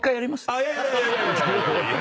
いやいやいやいや！